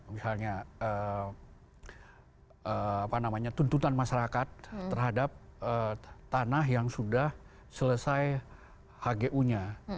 misalnya tuntutan masyarakat terhadap tanah yang sudah selesai hgu nya